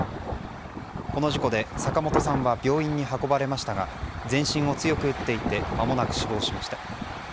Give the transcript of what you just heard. この事故で坂本さんは病院に運ばれましたが全身を強く打っていてまもなく死亡しました。